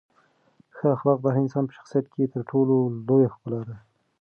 ښه اخلاق د هر انسان په شخصیت کې تر ټولو لویه ښکلا ده.